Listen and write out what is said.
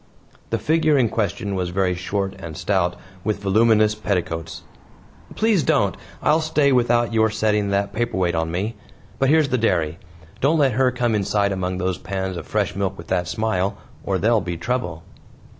The figure in question was very short and stout, with voluminous petticoats. "Please don't; I'll stay without your setting that paperweight on me. But here's the dairy. Don't let her come inside among those pans of fresh milk with that smile, or there'll be trouble."